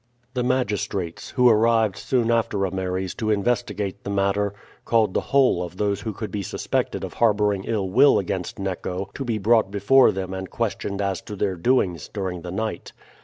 The magistrates, who arrived soon after Ameres to investigate the matter, called the whole of those who could be suspected of harboring ill will against Neco to be brought before them and questioned as to their doings during the night.